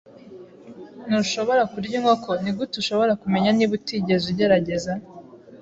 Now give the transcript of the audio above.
Ntushobora kurya inkoko? Nigute ushobora kumenya niba utigeze ugerageza?